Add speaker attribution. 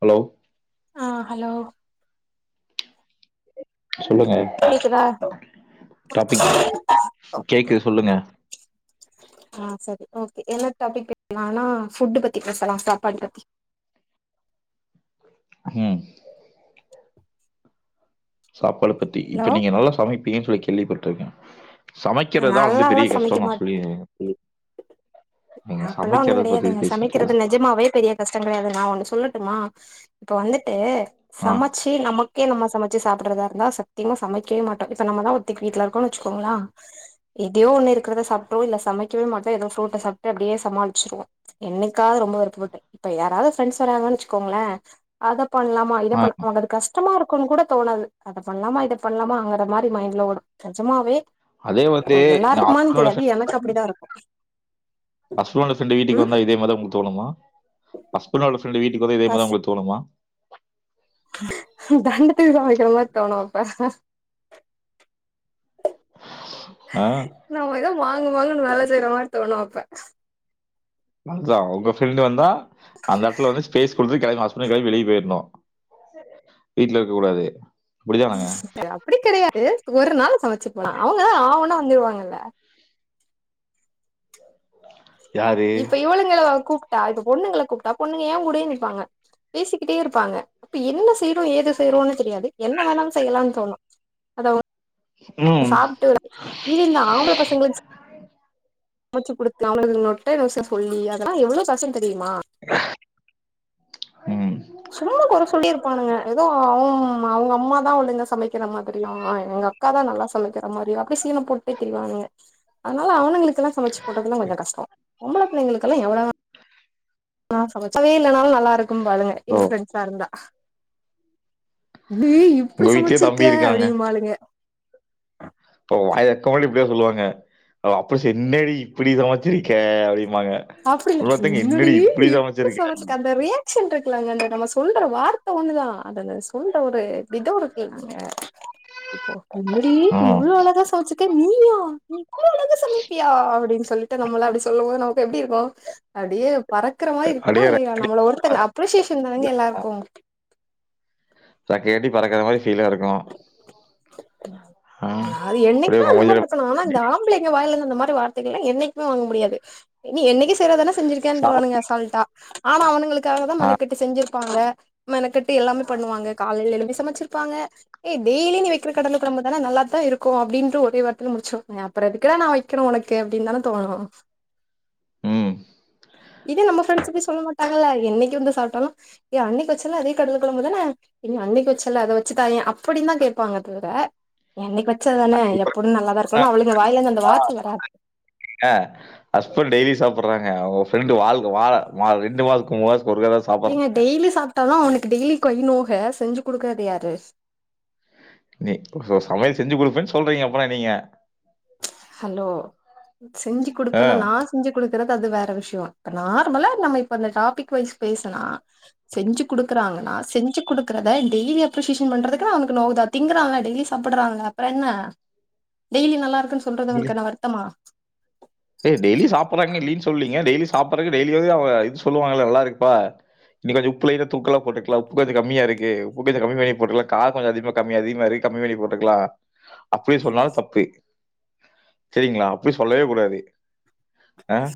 Speaker 1: Hello
Speaker 2: ஆ hello
Speaker 1: சொல்லுங்க
Speaker 2: கேக்குதா
Speaker 1: டாப்பிக் கேக்குது சொல்லுங்க
Speaker 2: ஆ சரி ஓகே என்ன டாப்பிக் [inaudible] ஆனா ஃபுட்டு பத்தி பேசலாம் சாப்பாடு பத்தி
Speaker 1: ம் சாப்பாட பத்தி
Speaker 2: ஹலோ
Speaker 1: இப்ப நீங்க நல்லா சமைப்பீங்கனு சொல்லிக் கேள்விப்பட்ருக்க சமைக்கெறதுதா வந்து
Speaker 2: நால்லாலா
Speaker 1: பெரிய
Speaker 2: சமைக்க
Speaker 1: கஷ்டொ நா
Speaker 2: மாட்
Speaker 1: சொல்லி நீங்க
Speaker 2: அப்பல்லா ஒண்ணுங்
Speaker 1: சமைக்கிறத பத்தி
Speaker 2: கடையாதுங்க
Speaker 1: பேசிட்டு
Speaker 2: சமைக்கிறது
Speaker 1: இருக்கேன்.
Speaker 2: நெஜமாவே பெரிய கஷ்டங் கடையாதுங்க நா ஒண்ணு சொல்லட்டுமா இப்ப வந்துட்டு
Speaker 1: ஆ
Speaker 2: சமச்சு நமக்கே நம்ம சமச்சு சாப்பட்றதா இருந்தா சத்தியமா சமைக்கவே மாட்டோ இப்ப நம்மதா ஒத்தி வீட்ல இருக்கோன் வச்சுக்கோங்களா எதையோ ஒண்ணு இருக்குறத சாப்ட்டோ இல்ல சமைக்கவோ மாட்டோ ஏதோ சோத்த சாப் ட்டு அப்டியே சமாளிச்சிருவோ என்னைக்காது ரொம்ப விருப்பப்பட் இப்ப யாராவ்து ஃப்ரண்ட்ஸு வராங்கன் வச்சுக்கோங்களே அதப் பண்லாமா இதப்
Speaker 1: ஆ
Speaker 2: பண் அவங்கது கஸ் டமா இருக்குனு கூட தோணாது அதப் பண்லாமா இதப் பண்லாமா அங்குற மாரி மைண்ட்ல ஓடு நெஜமாவே
Speaker 1: அதே வந்து
Speaker 2: ஓ
Speaker 1: நான்
Speaker 2: எல்லாருக்குமானு
Speaker 1: ஹஸ்பண்டோட
Speaker 2: தெரியாது எனக்கு அப்படிதா இருக்கு
Speaker 1: அஸ்பென்டோட ஃப்ரெண்டு வீட்டுக்கு
Speaker 2: ம்
Speaker 1: வந்தா இதேமாரிதா உங்ளுக்கு தோணு மா ஹஸ்பன்டோட ஃப்ர ன்டு வீட்டுக்கு வந்தா இதே
Speaker 2: பசி
Speaker 1: மாரிதா உங்களுக்கு தோணுமா
Speaker 2: தண்டத்துக்கு சமைக்கிற மாரி தோணு அப்ப
Speaker 1: ஆ
Speaker 2: நாம எதோ மா ங்கு மாங்குனு வேல செய்ற மாரி தோணு அப்ப
Speaker 1: அதா உங்க ஃப்ரெண்டு் வந்தா அந்த எடத்துல வந்து ஸ்பேஸ் குடுத்து கெளம்பி ஹஸ்பெண்ட் கெளம்பி வெளிய போயிரணு வீட்ல இருக்க கூடாது
Speaker 2: அப்டி கெடையாது ஒரு நாள் சமைச்சுக்கலா அவங்கதா ஆ ஊனா வந்துருவாங்கல்ல
Speaker 1: யாரு
Speaker 2: இப்ப இவளுங்கள கூப் டா இப்ப பொண்ணுங்கள கூப்ட்டா பொண்ணுங்க ஏ கூடயே நிப்பாங்க பேசிக்கிட்டே இருப்பாங்க அப்ப என்ன செய்றோ ஏது செய்றோனே தெரியாது என்ன வேணாலு செய்யலான் தோணு அத
Speaker 1: ம்
Speaker 2: சாப்ட்டு வற இனி இந்த ஆம்பள பசங்களுக்கு ச மச்சு குடுத்து [unintelligible] நொட்ட நொச சொல்லி அதல்லா எவ்ளோ கச தெரியுமா
Speaker 1: ம்
Speaker 2: சும்மா கொற சொல்லே இருப்பானுங்க ஏதோ அவம் மா அவ்ங்க அம்மாதா ஒழுங்கா சமக்கிற மாதிரியு அவுங்க எங்க அக்காதா நல்லா சமக்கிற மாரியு அப்டே சீனப் போட்டே திரிவானுங்க அத்னால அவனுங்ளுக் குல்லா சமச்சு போட்றதெல்லா கொஞ்சொ கஷ்டொ பொம்பள பிள்ளைங்களுக்கெல்லா எவ்வள அ நல்லாவே இல்லன்னாலு நல்லா இருக்கும்பாளுங்க
Speaker 1: ஓ
Speaker 2: எங்க ஃப்ரெண்ட்ஸா இருந்தா ஏ இப்டி
Speaker 1: உங்க வீட்லயே
Speaker 2: சமச்சிருக்க
Speaker 1: தம்பி இருக்காங்க.
Speaker 2: அப்டிம்பாளுங்க
Speaker 1: [unintelligible] இப்டிதா சொல்லுவாங்க அப்டி செஞ்னே டி இப்டி சமச்சிருக்க அப்டின்
Speaker 2: அப்டி இல் என்னடி இப்டி
Speaker 1: சமைச்சிருக்க"
Speaker 2: சமச்சிருக்க அந்த ரியாக்ஷன் இருக்குல்லங்க அந்த நம்ம சொல்ற வார் த ஒண்ணுதா அதுங்க சொல்ற ஒரு விதொ இருக்குல்லங்க இப்போ என்னடி
Speaker 1: ம்.
Speaker 2: இவ்ளோ அழகா சமச்சிருக்க நீயா இவ்ளோ அழகா சமப்பியா அப்டின் சொல்ட்டு நம்மள அப்டி சொல்லும் போது நம் எப்டி இருக்கு அப்டியே பறக்குற மாரி இருக்குமா
Speaker 1: அப்படியே
Speaker 2: இல்லயா
Speaker 1: ரெக்கையடி
Speaker 2: நம்மள ஒருத்தங்க அப்ரிசியேஷன் தாங்க எல்லாருக்கு
Speaker 1: றெக்க கட்டி பறக்குற மாரி ஃபீலா இருக்கு
Speaker 2: அது
Speaker 1: அப்படியே
Speaker 2: என்னைக்மே
Speaker 1: உங்க
Speaker 2: அந்த
Speaker 1: மூஞ்சில
Speaker 2: மாரி இருக்கணு ஆனா இந்த ஆம்பளைங்க வாய்லேந் இந்த மாரி வார்த்தைகல்லா என்னைக்குமே வாங்க முடியாது இனி என்னைக்கு செய்றதெல்லா
Speaker 1: சாப்
Speaker 2: செஞ்சிருக்கேன்ருவாளுக சொல்ட்டா ஆனா அவனுங்ளுக்காகதா
Speaker 1: ஆ.
Speaker 2: மெனக்கெட்டு செஞ்சிருப்பாங்க மெனக்கெட்டு எல்லாமே பண்ணுவாங்க காலையில எழும்பி சமச்சிருப்பாங்க ஏ டெய்லி நீ வெக் க்ற கடல கொழம்பு தான நல்லாத்தா இருக்கு அப்டின்ட்டு ஒரே வார்த்தைல முடிச்ரு அப்றொ எதுக்குடா நா வெக்கணு ஒனக்கு அப்டின்தான தோணு
Speaker 1: ம்.
Speaker 2: இதே நம்ம ஃப்ரெண்ட்ஸ் சொல்ல மாட்டாங்கள என்னைக்கு வந்து சாப்ட்டாலு ஏ அன்னக்கி வெச்சல அதே கடலக்கொழம்பு தான நீ அன்னக்கி வச்சல்ல அத வச்சுத் தாய அப்டிந்தா கேப்பாங்க [unintelligible] என்னைக்கு வச் ச்சது தான எப்டியு நல்லாதா இருக்கு அவளுக வாய்லேந்து அந்த வார்த்த வராது
Speaker 1: டுவாங்க உங்க ஃப்ரெண்டு வாழ்க வா ரெண்டு மாசக்கு மூ மாச
Speaker 2: ஏங்க டெய்லி சாப்ட்டாதா அவனுக் டெய்லி கை நோக செஞ்சு குடுக்கற்து யாரு
Speaker 1: நீ ச சமையல் செஞ்சு குடுப்பேன் சொல்றீங்க அப்பனா நீங்க
Speaker 2: ஹலோ செஞ்சு குடுப்பனா நா
Speaker 1: ஆ.
Speaker 2: செஞ்சு குடுக்குறது அது வே சுயர் இப்ப நார்மலா நம்ம இப்ப இந்த டாபிக் வைஸ் பேசுனா செஞ்சு குடுக்குறாங்கன்னா செஞ்சு குடுக்குறத டெய்லி அப்ரிசியேஷன் பண்றதுக்கு எல்லா அவனுக்கு நோவுதா திங்குறாங்க டெய்லி சாப்பிடுறாங்க அப்புற என்ன டெய்லி நல்லா இருக்குன்னு சொல்றது அவருக்கு என்ன வருத்தமா
Speaker 1: டெய்லி சாப்பிடுறாங்க இல்லன்னு சொல்லிங்க டெய்லி சாப்படுறதுக்கு டெய்லியு அவுங்க இது சொல்லுவாங்கலா நல்லா இருக்குப்பா இன்னைக்கு கொஞ்ச உப்பு லைட்டா தூக்கலா போட்டுருக்கலா உப்பு கொஞ்ச கம்மியா இருக்கு உப்பு கொஞ்ச கம்மி பண்ணி போட்டுருக்கலா காரம் கொஞ்ச அதிகமா கமி அதிகமா இருக்கு கம்மி பண்ணி போட்டுருக்கலா அப்டி சொன்னாலு தப்பு சரிங்களா அப்டி சொல்லவே கூடாது ஆஹ்